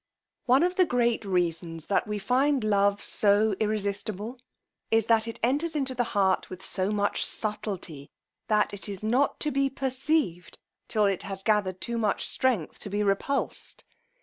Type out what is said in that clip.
One of the great reasons that we find love so irresistable, is, that it enters into the heart with so much subtilty, that it is not to be perceived till it has gathered too much strength to be repulsed.